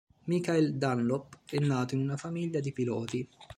Michael Dunlop è nato in una famiglia di piloti.